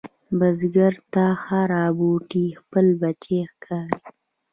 بزګر ته هره بوټۍ خپل بچی ښکاري